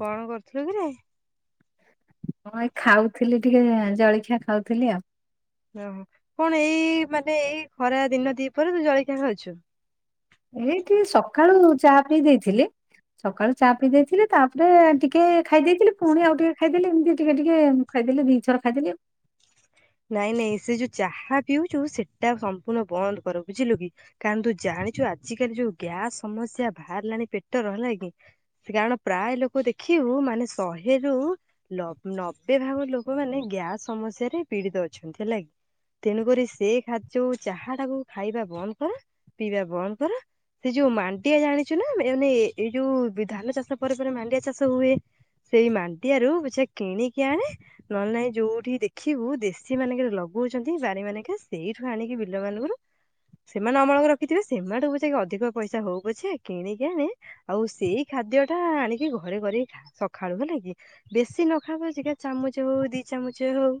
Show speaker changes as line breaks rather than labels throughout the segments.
କଣ କରୁଥିଲୁ କିରେ?
ହଁ ଏଇ ଖାଉଥିଲି ଟିକେ ଜଳଖିଆ ଖାଉଥିଲି ଆଉ।
ଓହୋ କଣ ଏଇ ମାନେ ଏଇ ଖରା ଦିନ ଦିପହରେ ତୁ ଜଳିଖିଆ ଖାଉଛୁ।
ଏଇ ଟିକେ ସକାଳୁ ଚା ପିଇ ଦେଇଥିଲି। ସକାଳୁ ଚା ପିଇ ଦେଇଥିଲି ତାପରେ ଟିକେ ଖାଇ ଦେଇଥିଲି ପୁଣି ଆଉ ଟିକେ ଖାଇଦେଲି ଏମିତି ଟିକେ ଟିକେ ଖାଇଦେଲି ଦି ଥର ଖାଇଦେଲି।
ନାଇଁ ନାଇଁ ସେ ଯୋଉ ଚାହା ପିଉଛୁ ସେଟା ସମ୍ପୂର୍ଣ୍ଣ ବନ୍ଦ କର ବୁଝିଲୁ କି। କାରଣ ତୁ ଜାଣିଛୁ ଆଜିକାଲି ଯୋଉ ଗ୍ୟାସ ସମଶ୍ୟା ବାହାରିଲାଣି ପେଟର ହେଲା କି। କାରଣ ପ୍ରାୟ ଲୋକ ଦେଖିବୁ ମାନେ ଶହେରୁ ଲ ନବେ ଭାଗ ଲୋକମାନେ ଗ୍ୟାସ ସମସ୍ୟାରେ ପୀଡିତ ଅଛନ୍ତି ହେଲା କି। ତେଣୁକରି ସେ ଖାଦ୍ୟ ଯୋଉ ଚାହା ଟାକୁ ଖାଇବା ବନ୍ଦ କର ପିଇବା ବନ୍ଦ କର ସେ ଯୋଉ ମାଣ୍ଡିଆ ଜାଣିଛୁ ନା ଏନେ ଏଇ ଯୋଉ ଧାନ ଚାଷ ପରେ ପରେ ମାଣ୍ଡିଆ ଚାଷ ହୁଏ? ସେଇ ମାଣ୍ଡିଆ ରୁ ପଛ କିଣିକି ଆଣେ ନହେଲେ ନାଇଁ ଯୋଉଠି ଦେଖି ଖିବୁ ଦେଶୀ ମାନଙ୍କରେ ଲଗଉଛନ୍ତି ବାରି ମାନଙ୍କେ ସେଇଠୁ ଆଣିକି ବିଲ ମାନଙ୍କର ସେମାନେ ଅମଳକରିକି ରଖିଥିବେ ସେମାନକୁ ଯାଇକି ଅଧିକ ପଇସା ହଉପଛେ କିଣିକି ଆଣେ ଆଉ ସେଇ ଖାଦ୍ୟ ଟା ଆଣିକି ଘରେ କରିକି ଖା ସଖାଳୁ ହେଲା କି। ବେଶୀ ନ ଖା ପଛକେ ଚାମଚ ହଉ ଦି ଚାମଚ ହଉ।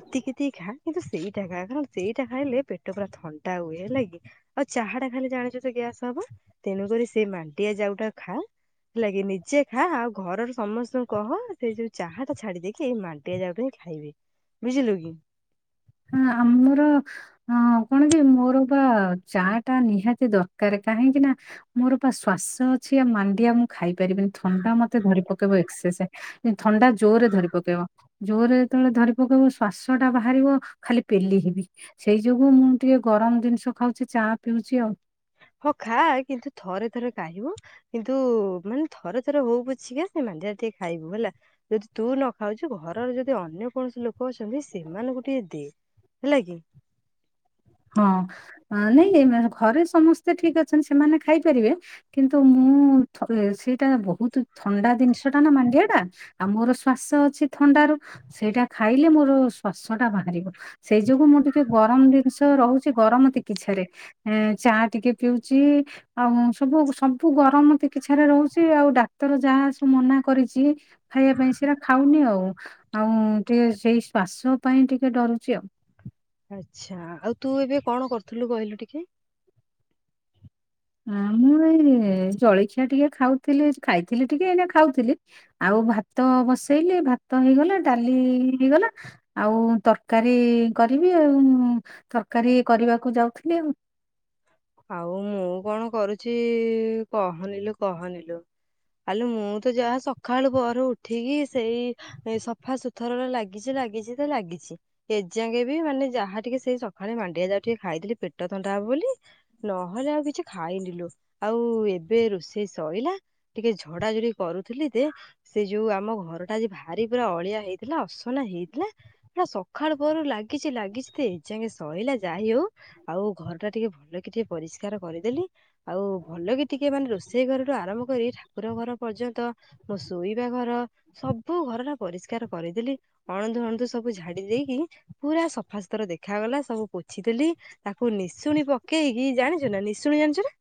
ଏତିକି ଏତିକି ଖା କିନ୍ତୁ ସେଇଟା ଖା କାର ସେଇଟା ଖାଇଲେ ପେଟ ପୁରା ଥଣ୍ଡା ହୁଏ ହେଲାକି। ଆଉ ଚାହା ଟା ଖାଇଲେ ଜାଣିଛୁ ତ ଗ୍ୟାସ ହବ ତେଣୁକରି ସେ ମାଣ୍ଟିଆ ଯାଉଟା ଖା ଲାଗି ନିଜେ ଖା ଆଉ ଘରର ସମସ୍ତଙ୍କୁ କହ ସେଇ ଯୋଉ ଚାହା ଟା ଛାଡି ଦେଇକି ଏଇ ମାଣ୍ଡିଆ ଯାଉ କୁ ହିଁ ଖାଇବେ। ବୁଝିଲୁ କି?
ହୁଁ ଆମର ହଁ କଣ କି ମୋର ବା ଚା ଟା ନିହାତି ଦରକାର କାହିଁକି ନା ମୋର ବା ଶ୍ୱାସ ଅଛି ଆ ମାଣ୍ଡିଆ ମୁଁ ଖାଇପାରିବିନି ଥଣ୍ଡା ମତେ ଧରି ପକେଇବ ଏକ୍ସସେସ୍। ଥଣ୍ଡା ଜୋର ରେ ଧରି ପକେଇବ ଜୋରରେ ଯେତେବେଳେ ଧରି ପକେଇବ ଶ୍ୱାସ ଟା ବାହାରିବ ଖାଲି ପେଲି ହେବି ସେଇ ଯୋଗୁ ମୁଁ ଟିକେ ଗରମ ଜିନିଷ ଖାଉଛି ଚା ପିଉଛି ଆଉ।
ହଁ ଖା କିନ୍ତୁ ଥରେ ଥରେ କାଇବୁ କିନ୍ତୁ ମାନେ ଥର ଥର ହଉ ପୁଛିିକ ସେ ମାଣ୍ଡିଆ ଟିକେ ଖାଇବୁ ହେଲା? ଯଦି ତୁ ନ ଖାଉଛୁ ଘରର ଯଦି ଅନ୍ୟ କୌଣସି ଲୋକ କଅଛନ୍ତି ସେମାନଙ୍କୁ ଟିକେ ଦେ ହେଲା କି।
ହଁ ନାଇଁ ଘରେ ସମସ୍ତେ ଠିକ ଅଛନ୍ତି ସେମାନେ ଖାଇପାରିବେ କିନ୍ତୁ ମୁଁ ଥ ସେଇଟା ବହୁତ ଥଣ୍ଡା ଜିନିଷ ଟା ନା ମାଣ୍ଡିଆଟା ଆ ମୋର ଶ୍ଵାସ ଅଛି ଥଣ୍ଡ ରୁ ସେଇଟା ଖାଇଲେ ମୋର ଶ୍ୱାସ ଟା ବାହାରିବ ସେଇ ଯୋଗୁ ମୁଁ ଟିକେ ଗରମ ଜିନିଷ ତ ରହୁଛି ଗରମ ତ ଚିକିଛାରେ ଚା ଟିକେ ପିଉଛି ଆଉ ସବୁ ସବୁ ଗରମ ଚିକିସ୍ଚା ରେ ରହୁଛି ଆଉ ଡାକ୍ତର ଯାହା ସବୁ ମନା କରିଛି ଖାଇବା ପାଇଁ ସେଇଟା ଖାଉନି ଆଉ। ଆଉ ଟିକେ ସେଇ ଶ୍ଵାସ ପାଇଁ ଟିକେ ଡରୁଛି ଆଉ।
ଆଚ୍ଛା! ଆଉ ତୁ ଏବେ କଣ କରୁଥିଲୁ କହିଲୁ ଟିକେ?
ହ ମୁଁ ଏଇ ଜଳଖିଆ ଟିକେ ଖାଉଥିଲି ଖାଇଥିଲି ଟିକେ ଏଇନା ଖାଉଥିଲି ଆଉ ଭାତ ବସେଇଲେ ଭାତ ହେଇଗଲା ଡାଲି ହେଇଗଲା ଆଉ ତରକାରୀ କରିବି ଆଉ ତରକାରୀ କରିବାକୁ ଯାଉଥିଲି ଆଉ।
ଆଉ ମୁଁ କଣ କରୁଛି କହନିଲୋ କହନିଲୋ। ଆଲେ ମୁଁ ତ ଯାହା ସକାଳୁ ପହରୁ ଉଠିକି ସେଇ ସଫା ସୁତୁରରେ ଲାଗିଛି ଲାଗିଛି ତ ଲାଗିଛି। ଏଯାଙ୍କେ ବି ମାନେ ଯାହା ଟିକେ ସେଇ ସକାଳେ ମାଣ୍ଡିଆ ଯାଉ ଟିକେ ଖାଇଥିଲି ପେଟ ଥଣ୍ଡା ହବ ବୋଲି। ନହେଲେ ଆଉ କିଛି ଖାଇନିଲୋ ଆଉ ଏବେ ରୋଷେଇ ଶଇଲା ଟିକେ ଝଡା ଝଡି କରୁଥିଲି ଯେ ସେ ଯୋଉ ଆମ ଘରଟା ଆଜି ଭାରି ପୁରା ଅଳିଆ ହେଇଥିଲା ଅସନା ହେଇଥିଲା ହେ ସଖାଳ ପଅରୁ ଲାଗିଛି ଲାଗିଛି ତ ଏ ଯାଙ୍ଗେ ସରିଲା ଯାଇ ହଉ ଆଉ ଘର ଟା ଟିକେ ଭଲ ଭଲ କି ଟିକେ ପରିଷ୍କାର କରିଦେଲି। ଆଉ ଭଲ କି ଟିକେ ମାନେ ରୋଷେଇ ଘରଠୁ ଆରମ୍ଭ କରି ଠାକୁର ଘର ପର୍ଯ୍ୟନ୍ତ ମୋ ଶୋଇବା ଘର ସବୁ ଘର ଟା ପରିଷ୍କାର କରିଦେଲି ଅଣଦୁ ଅଣଦୁ ସବୁ ଝାଡି ଦେଇକି ପୁରା ସଫାସତୁରା ଦେଖାଗଲା ସବୁ ପୋଛି ଦେଲି ତାକୁ ନିଶୁଣି ପ କି ହି ଜାଣିଛ ନା ନିଶୁଣି ଜାଣିଛ ନା?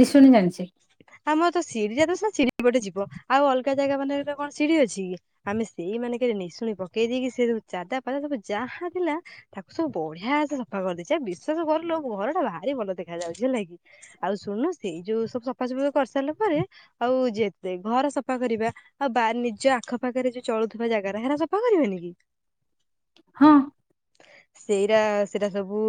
ନିଶୁଣି ଜାଣିଛି।
ଆମର ତ [unintelligible] ଯିବ ଆଉ ଅଲଗା ଜାଗା ମାନରେ କଣ ସିଡ଼ି ଅଛି କି? ଆମେ ସେଇ ମାନେ କେରେ ନିଶୁଣି ପକେଇ ଦେଇକି ସେ ସବୁ ଚାଦା ପାଦା ସବୁ ଯାହା ଥିଲା ତାକୁ ସବୁ ବଢ଼ିଆ ସେ ସଫା କରିଦେଇଛି ଆଉ ବିଶ୍ୱାସ କରଲୋ ଘର ଟା ଭାରି ଭଲ ଦେଖା ଯାଉଛି ହେଲା କିି। ଆଉ ଶୁଣୁ ସେଇ ଯୋଉ ସବୁ ସଫାସଫା କରିସାରିଲା ପରେ ଆଉ ଯେତେ ଘର ସଫା କରିବା। ଆଉ ବା ନିଜ ଆଖପାଖରେ ଯୋଉ ଚଳୁଥିବା ଜାଗାରା ହେରା ସଫା କରିବାନି କି?
ହଁ।
ସେଇରା ସେଇଟା ସବୁ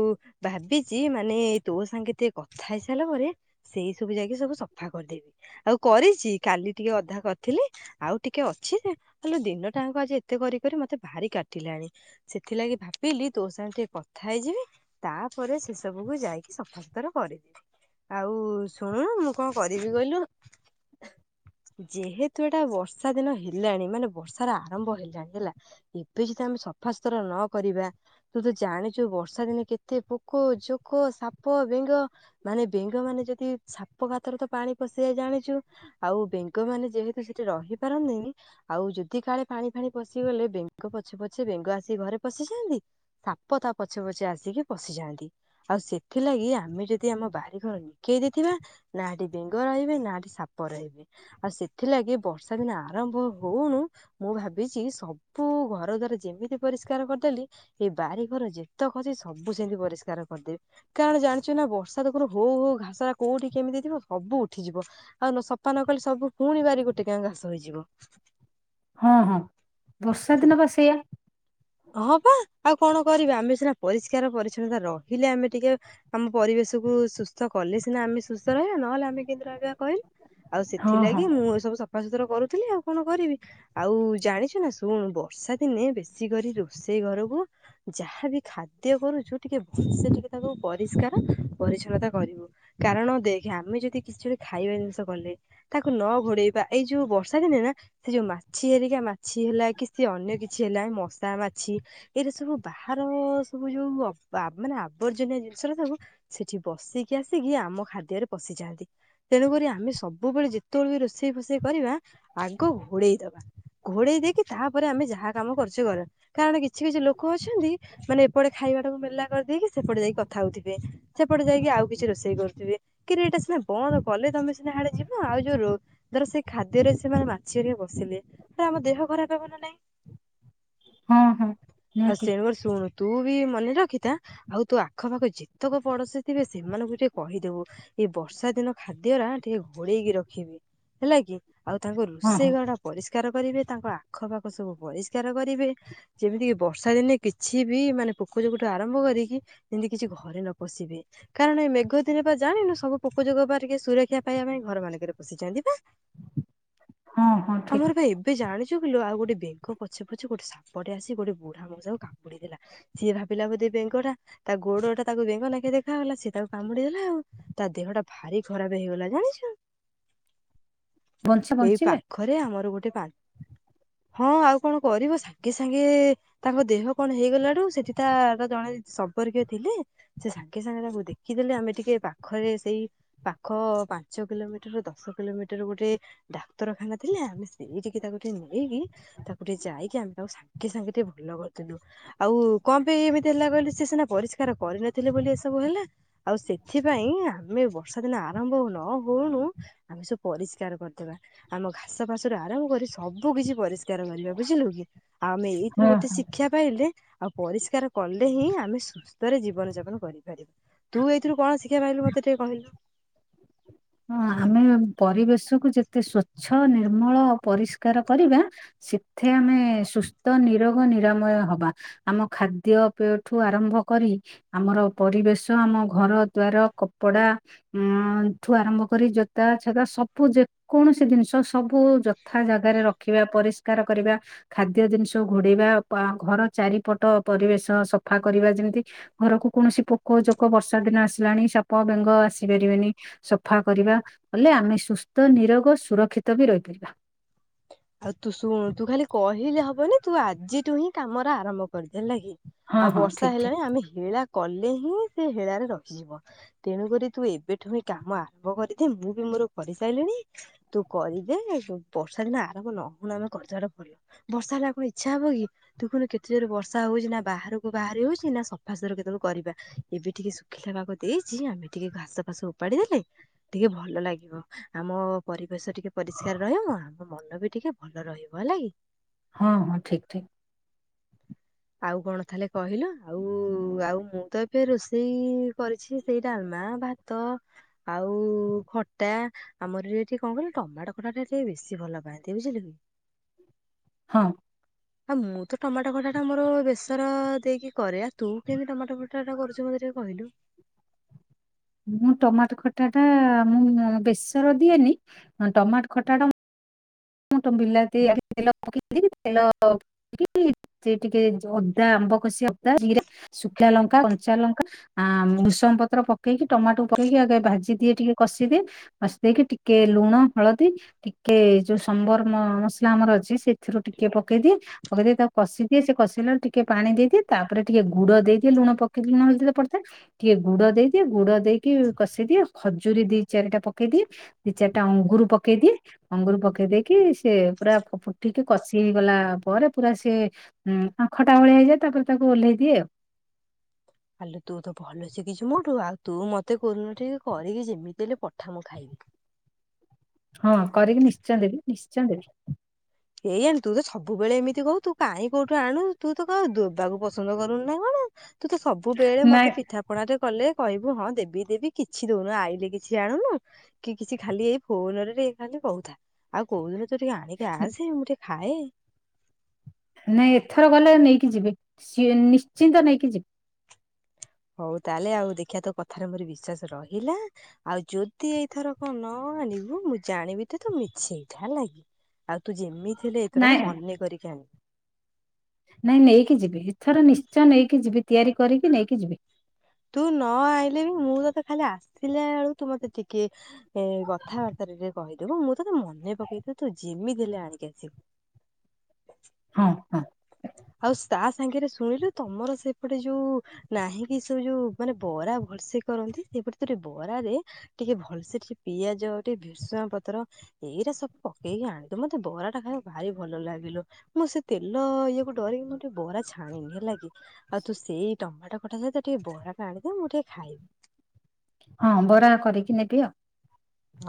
ଭାବି ଚି ମାନେ ତୋ ସାଙ୍ଗେ ଟିକେ କଥା ହେଇସାରିଲା ପରେ ସେଇ ସବୁ ଯାଇକି ସବୁ ସଫା କରିଦେବି। ଆଉ କରିଛି କାଲି ଟିକେ ଅଧା କରିଥିଲି। ଆଉ ଟିକେ ଅଛି ଯେ ହେଲେ ଦିନ ଟାଙ୍କ ଆଜି ଏତେ କରି କରି ମତେ ଭାରି କାଟିଲାଣି। ସେଥିଲାଗି ଭାବିଲି ତୋ ସାଙ୍ଗେ ଟିକେ କଥା ହେଇଯିବି ତାପରେ ସେ ସ ସବୁକୁ ଯାଇକି ସଫାସୁତର କରିବି। ଆଉ ଶୁଣୁନୁ ମୁଁ କଣ କରିବି କହିଲୁ? ଯେହେତୁ ଏଟା ବର୍ଷା ଦିନ ହେଲାଣି ମାନେ ବର୍ଷାର ଆରମ୍ଭ ହେଲାଣି ହେଲା। ଏବେ ଯଦି ଆମେ ସଫାଶୁତର ନ କରିବା ତୁ ତ ଜାଣିଛୁ ଏ ବର୍ଷା ଦିନେ କେତେ ପୋକୋ ଜୋ କୋ ସାପ ବେଙ୍ଗ ମାନେ ବେଙ୍ଗ ମାନେ ଯଦି ସାପ ଗାତରେ ତ ପାଣି ପଶିଯାଏ ଜାଣିଚୁ। ଆଉ ବେଙ୍ଗ ମାନେ ଯେହେତୁ ସେଠି ରହିପାରନ୍ତିନି ଆଉ ଯଦି କାଳେ ପାଣି ଫାଣି ପଶିଗଲେ ବେଙ୍ଗ ପଛେ ପଛେ ବେଙ୍ଗ ଆସିିକି ଘରେ ପଶିଯାଆନ୍ତି। ସାପ ତା ପଛେ ପଛେ ଆସିକି ପଶିଯାଆନ୍ତି। ଆଉ ସେଥିଲାଗି ଆମେ ଯଦି ଆମ ବାରିଘର ନିକେଇ ଦେଇଥିବା ନା ହେଠି ବେଙ୍ଗ ରହିବେ ନା ହେଠି ସାପ ରହିବେ। ଆଉ ସେଥିଲାଗି ବର୍ଷା ଦିନ ଆରମ୍ଭ ହଉଣୁ ମୁଁ ଭାବିଛି ସବୁ ଘର ଦ୍ଵାରା ଯେମିତି ପରିଷ୍କାର କରିଦେଲି ଏଇ ବାରିଘର ଯେତେକ ଅଛି ସବୁ ସେମିତି ପରିଷ୍କାର କରିଦେବି କାରଣ ଜାଣିଛୁ ନା ବର୍ଷା ଦେଖୁନୁ ହୋଉ ହୋଉ ଘାସଟା କୋଉଠି କେମିତି ଥିବ ସବୁ ଉଠିଯିବ। ଆଉ ନ ସଫା ନ କଲେ ସବୁ ପୁଣିି ବାରିପଟେ କାଁ ଘାସ ହେଇଯିବ।
ହଁ-ହଁ
ସେ-
ବର୍ଷାଦିନ ପା ସେଇଆ।
ହଁ ବା ଆଉ କଣ କରିବା ଆମେ ସିନା ପରିଷ୍କାର ପରିଚ୍ଛନ୍ନତା ରହିଲେ ଆମେ ଟିକେ ଆମ ପରିବେଶକୁୁ ସୁସ୍ଥ କଲେ ସିନା ଆମେ ସୁସ୍ଥ ରହିବା ନହେଲେ ଆମେ କେମିତି ରହିବା କହିଲୁ? ଆଉ
ହଁ ହଁ
ସେଥିଲାଗି ମୁଁ ଏସବୁ ସ ସଫାସୁତୁରା କରୁଥିଲି ଆଉ କଣ କରିବି ଆଉ ଜାଣିଛୁ ନା ଶୁଣୁ ବର୍ଷାଦିନେ ବେଶୀ କରି ରୋଷେଇ ଘରକୁ ଯାହାବି ଖାଦ୍ୟ କରୁଚୁ ଟିକେ ଭଲସେ ଟିକେ ତାକୁ ପରିଷ୍କାର ପରିଚ୍ଛନ୍ନତା କରିବୁ। କାରଣ ଦେଖେ ଆମେ ଯଦି କିଛି ବି ଖାଇବା ଜିନିଷ କଲେ ତାକୁ ନ ଘୋଡ଼େଇବା ଏଇ ଯୋଉ ବର୍ଷାଦିନେ ନା ସେ ଯୋଉ ମାଛି ହେରିକା ମାଛି ହେଲା କି ସେ ଅନ୍ୟ କିଛି ହେଲା ମଶା ମା ଛି ଏଇରା ସବୁ ବାହାର ସବୁ ଯୋଉ ଅ ଆ ମାନେ ଆବର୍ଜନୀୟ ଜିନିଷରା ସବୁ ସେଠି ବସିକି ଆସିକି ଆମ ଖାଦ୍ୟରେ ପଶିଯାଆନ୍ତି। ତେଣୁକରି ଆମେ ସବୁବେଳେ ଯେତେବେଳେ ବି ରୋଷେଇ ଫୋଷେଇ କରିବା ଆଗ ଘୋଡ଼େଇଦବା। ଘୋଡ଼େଇ ଦେଇକି ତାପରେ ଆମେ ଯାହା କାମ କରୁଛୁ କର କାରଣ କିଛି-କିଛି ଲୋକ ଅଛନ୍ତି ମାନେ ଏପଟେ ଖାଇବାଟାକୁ ମେଲା କରିଦେଇକି ସେପଟେ ଯାଇକି କଥା ହଉଥିବେ ସେପଟେ ଯାଇକି ଆଉ କିଛି ରୋଷେଇ କରୁଥିବେ। କିରେ ଏଇଟା ସିନା ବନ୍ଦ କଲେ ତମେ ସିନା ହାଡ଼େ ଯିବ ଆଉ ଯୋଉ ରୋ ଧର ସେଇ ଖାଦ୍ୟରେ ସେମାନେ ମାଛି ହେରିକା ବସିଲେ, ତ ଆମ ଦେହ ଖରାପ ହବ ନା ନାଇଁ?
ହଁ, ହଁ।
ଆ
ନିହାତି
[unintelligible] ଶୁଣୁ ତୁ ବି ମନେ ରଖିଥା ଆଉ ତୋ ଆଖପାଖ ଯେତେକ ପଡୋଶୀ ଥିବେ, ସେମାନଙ୍କୁ ବି ଟିକେ କହିଦବୁ। ଏଇ ବର୍ଷାଦିନ ଖାଦ୍ୟରା ଟିକେ ଘୋଡେଇକି ରଖିବେ, ହେଲାକି। ଆଉ ତାଙ୍କ
ହଁ
ରୋଷେଇ
ହଁ
ଘରଟା ପରିଷ୍କାର କରିବେ, ତାଙ୍କ ଆଖପାଖ ସବୁ ପରିଷ୍କାର କରିବେ। ଯେମିତିକି ବର୍ଷାଦିନେ କିଛି ବି, ମାନେ ପୋକଜୋକଠୁ ଆରମ୍ଭ କରିକି ଯେମିତି କିଛି ଘରେ ନ ପଶିବେ। କାରଣ ଏ ମେଘ ଦିନ ବା ଜାଣନୁ, ସବୁ ପୋକ ଯୋକ ବା ଟିକେ ସୁରକ୍ଷା ପାଇବା ପାଇଁ ଘର ମାନଙ୍କରେ ପସିଯାନ୍ତି ପା।
ହଁ ହଁ ଠିକ
ଆମର ବା ଏବେ ଜାଣିଚୁ କିଲୋ ଆଉ ଗୋଟେ ବେଙ୍ଗ ପଛେ-ପଛେ ଗୋଟେ ସାପ ସାପଟେ ଆସି ଗୋଟେ ବୁଢ଼ା ମଉସାକୁ କାମୁଡି ଦେଲା। ସିଏ ଭାବିଲା ବୋଧେ ବେଙ୍ଗଟା, ତା ଗୋଡ ଟା ତାକୁ ବେଙ୍ଗ ନାଖେ ଦେଖାଗଲା, ସିଏ ତାକୁ କାମୁଡି ଦେଲା ଆଉ। ତା ଦେହଟା ଭାରି ଖରାପ ହେଇଗଲା, ଜାଣିଚୁ।
ବଞ୍ଚା
ଏଇ
ବଞ୍ଚିଲେ
ପାଖରେ ଆମର ଗୋଟେ ପାର୍କ, ହଁ ଆଉ କଣ କରିବ ସା ସାଙ୍ଗେ-ସାଙ୍ଗେ ତାଙ୍କ ଦେହ କଣ ହେଇଗଲାଠୁ, ସେଠି ତା ଜଣେ ସମ୍ପର୍କୀୟ ଥିଲେ ସେ ସାଙ୍ଗେ-ସାଙ୍ଗେ ତାକୁ ଦେଖିଦେଲେ, ଆମେ ଟିକେ ପାଖରେ ସେଇ ପାଖ ପାଞ୍ଚ କିଲୋମିଟର, ଦଶ କିଲୋମିଟର ଗୋଟେ ଡାକ୍ତରଖାନା ଥିଲା, ଆମେ ସେଇଠିକି ତାକୁ ଟିକେ ନେଇକି, ତାକୁ ଟିକେ ଯାଇକି ଆମେ ତାକୁ ସାଙ୍ଗେ ସାଙ୍ଗେ ଟିକେ ଭଲ କରିଦେଲୁ। ଆଉ କଣ ପାଇଁ ଏମିତି ହେଲା କହିଲୁ? ସିଏ ସିନା ପରିଷ୍କାର କରିନଥିଲେ ବୋଲି, ଏସବୁ ହେଲା। ଆଉ ସେଥିପାଇଁ, ଆମେ ବର୍ଷାଦିନ ଆରମ୍ଭ ନ ହଉଣୁ ଆମେ ସବୁ ପରିଷ୍କାର କରିଦବା। ଆମ ଘାସ ଫାସ ରୁ ଆରମ୍ଭ କରି, ସବୁକିଛି ପରିଷ୍କାର କରିବା, ବୁଝିଲୁ କି। ଆମେ ଏଇଥିରୁ
ହଁ
ଗୋଟେ ଶିକ୍ଷା ପାଇଲେ, ଆଉ ପରିଷ୍କାର କଲେ ହିଁ, ଆମେ ସୁସ୍ଥରେ ଜୀବନ ଯାପନ କରିପାରିବୁ। ତୁ ଏଇଥିରୁ କଣ ଶିକ୍ଷା ପାଇଲୁ ମତେ ଟିକେ କହିଲୁ?
ହଁ ଆମେ ପରିବେଶକୁ ଯେତେ ସ୍ଵଚ୍ଛ ନିର୍ମଳ ଆଉ ପରିଷ୍କାର କରିବା ସେଥେ ଆମେ ସୁସ୍ଥ, ନିରୋଗ, ନିରାମୟ ହବା। ଆମ ଖାଦ୍ୟପେୟଠୁ ଆରମ୍ଭ କରି ଆମର ପରିବେଶ, ଆମ ଘର ଦ୍ୱାର, କପଡା ଠୁ ଆରମ୍ଭ କରି ଜୋ ତା ଛତା ସବୁ ଯେ କୌଣସି ଜିନିଷ ସବୁ, ଯଥା ଜାଗାରେ ରଖିବା, ପରିଷ୍କାର କରିବା। ଖାଦ୍ୟ ଜିନିଷ ଘୋଡେଇବା, ଘର ଚାରିପଟ ପରିବେଶ ସଫା କରିବା, ଯେମିତି ଘରକୁ କୌଣସି ପୋକ ଜୋକ ବର୍ଷା ଦିନ ଆସିଲାଣି, ସାପ ବେଙ୍ଗ ଆସି ପାରିବେନି। ସଫା କରିବା, ହେଲେ ଆମେ ସୁସ୍ଥ ନିରୋଗ ସୁରକ୍ଷିତ ବି ରହିପାରିବା।
ଆଉ ତୁ ଶୁଣ, ତୁ ଖାଲି କହିଲେ ହବନି, ତୁ ଆଜିଠୁ ହିଁ କାମର ଆରମ୍ଭ କରିଦେ, ହେଲା କି?
ହଁ
ଆଉ
ହଁ
ବର୍ଷା
ଠିକ ଠିକ
ହେଲାଣି, ଆମେ ହେଳା କଲେ ହିଁ ସେ ହେଳାରେ ରହିଯିବ। ତେଣୁ କରି ତୁ ଏବେଠୁ ହିଁ କାମ ଆରମ୍ଭ କରିଦେ, ମୁଁ ବି ମୋର କରିସାଇଲିଣି ତୁ କରିଦେ, ବର୍ଷା ଦିନ ଆରମ୍ଭ ନ ହଉଣୁ, ଆମେ ଆରମ୍ଭ କରିଦବାଟା ଭଲ। ବର୍ଷା ହେଲେ, ଆଉ କଣ ଇଛା ହବ କି? ଦେଖୁନୁ କେତେ ଜୋର ବର୍ଷା ହଉଚି, ନା ବାହାରକୁ ବାହାରେ ହଉଚି, ନା ସଫାସୁତୁରା କେତେବେଳେ କରିବା? ଏବେ ଟିକେ ଶୁଖିଲା ପାଗ ଦେଇଚି, ଆମେ ଟିକେ ଘାସ ଫାସ ଉପାଡିଦେଲେ ଟିକେ ଭଲ ଲାଗିବ, ଆମ ପରିବେଶ ଟିକେ ପରିଷ୍କାର ରହିବ, ଆମ ମନ ବି ଟିକେ ଭଲ ରହିବ, ହେଲାକି?
ହଁ, ହଁ, ଠିକ୍ ଠିକ୍।
ଆଉ କଣ ତାହେଲେ କହିଲୁ ଆଉ-ଆଉ ମୁଁ ତ ଏବେ ରୋଷେଇ କରିଛି ସେଇ ଡାଲମା ଭା ତ ଆଉ ଖଟା। ଆମର ଏଠି କଣ କହିଲୁ ଟମାଟୋ ଖଟାଟ ଟା ଟିକେ ବେଶୀ ଭଲ ପାଆନ୍ତି ବୁଝିଲୁ।
ହଁ।
ଆଁ ମୁଁ ତ ଟମାଟୋ [unintelligible] ଆମର ବେସର ଦେଇକି କରେ ଆ ତୁ କେମିତି ଟମାଟୋ ଖଟାଟା କରୁଛୁ ମତେ ଟିକେ କହିଲୁ?
ମୁଁ ଟମାଟ ଖଟା ଟା ମୁଁ ବେସର ଦିଏନି ଟମାଟ ଖଟା ଟା [inaudible] ସେ ଟିକେ ଅଦା ଆମ୍ବ କଷି ଅଦା ଜିରା ଶୁଖା ଲଙ୍କା କଞ୍ଚା ଲଙ୍କା ଆ ଭୂସମ୍ ପତ୍ର ପକେଇକି ଟମାଟୋ ପକେଇକି ଆଗେ ଭାଜି ଦିଏ ଟିକେ କଷିଦିଏ ବସି ଦେଇେଇକି ଟିକେ ଲୁଣ ହଳଦୀ ଟିକେ ଯୋଉ ସମ୍ବର ମସଲା ଆମର ଅଛି ସେଥିରୁ ଟିକେ ପକେଇଦିଏ। ପକେଇଦେଇ ତାକୁ କଷିଦିଏ ସେ କଷିଲାରୁ ଟିକେ ପାଣି ଦେଇଦିଏ ତାପରେ ଟିକେ ଗୁଡ ଦେଇଦିଏ ଲୁଣ ପକି ଲୁଣ ହଳଦୀରେ ପଡ଼ିଥାଏ। ଟିକେ ଗୁଡ ଦେଇଦିଏ ଗୁଡ ଦେଇକି କଷେଇଦିଏ ଖଜୁରୀ ଦି ଚାରିଟା ପକେଇଦିଏ ଦି ଚାରିଟା ଅଙ୍ଗୁରୁ ପକେଇ ଦିଏ ଅଙ୍ଗୁରୁ ପକେଇ ପକେଇ ଦେଇକି ସେ ପୁରା ଫୁଟିକି କଷି ହେ ଗଲା ପରେ ପୁରା ସେ ହୁଁ ଆଉ ଖଟା ଭଳିଆ ହେଇଯାଏ ତାପରେ ତାକୁ ଓହ୍ଲେଇ ଦିଏ ଆଉ।
ଆଲୋ ତୁ ତ ଭଲ ଶିଖିଛୁ ମୋଠୁ ଆଉ ତୁ ମତେ କୋଉ ଦିନ ଟିକେ କରିକି ଯେମିତି ହେଲେ ପଠା ମୁଁ ଖାଇବି।
ହଁ କରିକି ନିଶ୍ଚୟ ଦେବି ନିଶ୍ଚୟ ଦେବି।
ଏଇ ଜାଣି ତୁ ତ ସବୁବେଳେ ଏମିତି କହୁ ତୁ କାଇହିଁ କୋଉଠୁ ଆଣୁ ତୁ ତ କ ଦେବାକୁ ପସନ୍ଦ କରୁନୁ ନାଇଁ କଣ। ତୁ ତ ସବୁବେଳେ
ନାଇଁ
ମତେ ପିଠା [unintelligible] ରେ କଲେ କହିବୁ ହଁ ଦେବି-ଦେବି କିଛି ଦଉନୁ ଆଇଲେ କିଛି ଆଣୁନୁ। କି କିଛି ଖାଲି ଏଇ ଫୋନ୍ ରେ ଖାଲି କହୁଥା। ଆଉ କୋଉଦିନ ତୁ ଟିକେ ଆଣିିକ ଆସେ ମୁଁ ଟିକେ ଖାଏ।
ନାଇଁ ଏଥର ଗଲେ ନେଇକି ଯିବି ସିଏ ନିଶ୍ଚିନ୍ତ ନେଇକି ଯିବି।
ହଉ ତାହେଲେ ଆଉ ଦେଖିବା ତୋ କଥାରେ ମୋ ବିଶ୍ଵାସ ରହିଲା ଆଉ ଯଦି ଏଇଥର କଣ ନ ଆଣିବୁ ମୁଁ ଜାଣିବି ତୁ ତ ମିଛେଇଟା ହେଲା କି। ଆଉ ତୁ ଯେମିତି ହେଲେ ଏଥର
ନାଇଁ
ମନେ କରିକି ଆଣିବୁ।
ନାଇଁ ନେଇକି ଯିବି ଏଥର ନିଶ୍ଚୟ ନେଇକି ଯିବି ତିଆରି କରିକି ନେଇକି ଯିବି।
ତୁ ନ ଆଇଲେ ବି ମୁଁ ତତେ ଖାଲି ଆସିଲା ବେଳକୁ ତୁ ମତେ ଟିକେ ଏ କଥାବାର୍ତ୍ତାରେରେ କହିଦବୁ ମୁଁ ତତେ ମନେ ପକେଇଥା ତୁ ଯେମିତି ହେଲେ ଆଣିକି ଆସୁ।
ହଁ-ହଁ।
ଆଉ ତା ସାଙ୍ଗରେ ଶୁଣିଲୁ ତମର ସେପଟେ ଯୋଉ ନାହିଁ କି ସେ ଯୋଉ ମାନେ ବରା ଭଲସେ କରନ୍ତି ସେଇପଟ [unintelligible] ବରାରେ ଟିକେ ଭଲସେ ଟିକେ ପିଆଜ ଟିକେ ଭେଷଣ ପତ୍ର ଏଇଟା ସବୁ ପକେଇକି ଆଣିଦ ମତେ ବରା ଟା ଖାଇବାକୁ ଭାରି ଭଲ ଲାଗେଲୋ। ମୁଁ ସେ ତେଲ ଇଏକୁ ଡରିକି ମୁଁ ଟିକେ ବରା ଛାଣିନି ହେଲା ଆଉ ତୁ ସେଇ ଟମାଟ ଖଟା ସହିତ ଟିକେ ବରା ଟା ଆଣିବୁ ମୁଁ ଟିକେ ଖାଇବି।
ହଁ ବରା କରିକି ନେବି ଆଉ।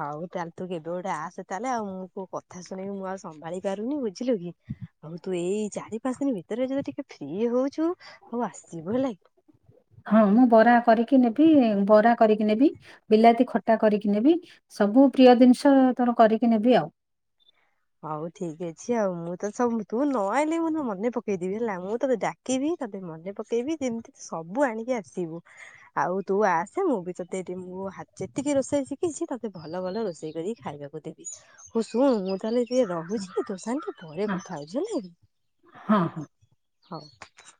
ହଉ ତାହେଲେ ତୁ କେବେ ଗୋଟେ ଆସ ତାହେଲେ ଆଉ ମୁଁ କ କଥା ଶୁଣିକି ମୁଁ ଆଉ ସମ୍ଭାଳି ପାରୁନି ବୁଝିଲୁ କି। ଆଉ ତୁ ଏଇ ଚାରି ପାଞ୍ଚ ଦିନ ଭିତରେ ଯଦି ଟିକେ ଫ୍ରି ହଉଛୁ ଆଉ ଆସିବୁ ହେଲା।
ହଁ ମୁଁ ବରା କରିକି ନେବି ବରା କରିକି ନେବି ବିଲାତି ଖଟା କରିକି ନେବି ସବୁ ପ୍ରିୟ ଜିନିଷ ତୋର କରିକି ନେବି ଆଉ।
ହଉ ଠିକ୍ ଅଛି ଆଉ ମୁଁ ତ ସବୁ ତୁ ନ ଆଇଲେ ମୁ ମନେ ପକେଇଦେବି ହେଲା ମୁଁ ତ ଡା କିବି ତତେ ମନେ ପକେଇବି ଯେମିତି ସବୁ ଆଣିକି ଆସିବୁ। ଆଉ ତୁ ଆସେ ମୁଁ ବି ତୋତେ ଏ ଯେତିକି ରୋଷେଇ ଶିଖିଛି ତତେ ଭଲ ଭଲ ରୋଷେଇ କରି ଖାଇବାକୁ। ମୁଁ ଦେବି ହଉ ଶୁଣୁ ମୁଁ ତାହେଲେ। ଏ ରହୁଛି ତୋ ସାଙ୍ଗେ ପରେ କଥା ହଉଛି ହେଲା କି
ହଁ ହଁ
ହଁ।